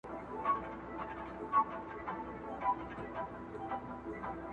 زندان سو انسانانو ته دنیا په کرنتین کي-